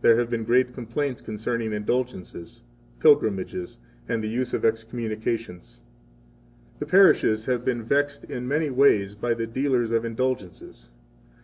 2 There have been great complaints concerning indulgences, pilgrimages, and the abuse of excommunications. The parishes have been vexed in many ways by the dealers in indulgences.